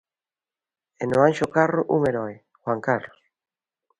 E no Anxo Carro un heroe: Juan Carlos.